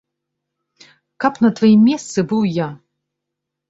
Каб на тваім месцы быў я!